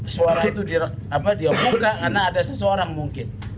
suara itu dia buka karena ada seseorang mungkin